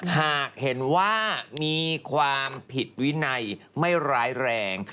หากเห็นว่ามีความผิดวินัยไม่ร้ายแรง